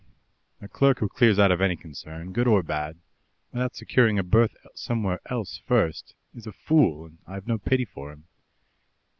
" "A clerk who clears out of any concern, good or bad, without securing a berth somewhere else first, is a fool, and I've no pity for him."